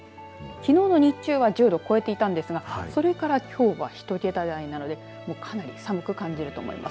きのうの日中は１０度超えていたんですが、それからきょう１桁台なのでもうかなり寒く感じると思います。